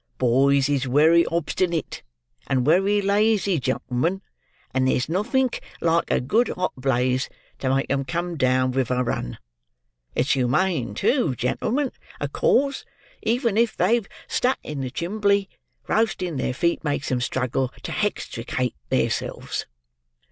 Boys is wery obstinit, and wery lazy, Gen'l'men, and there's nothink like a good hot blaze to make 'em come down vith a run. It's humane too, gen'l'men, acause, even if they've stuck in the chimbley, roasting their feet makes 'em struggle to hextricate theirselves."